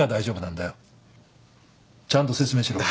ちゃんと説明しろ。